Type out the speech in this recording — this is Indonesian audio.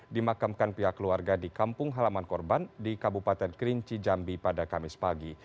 dimakamkan pihak keluarga di kampung halaman korban di kabupaten kerinci jambi pada kamis pagi